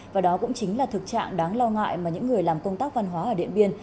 và đó cũng chính là thực trạng đáng lo ngại mà những người làm công tác văn hóa ở điện biên